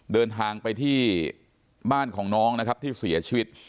เดินทางไปที่บ้านของน้องนะครับที่เสียชีวิต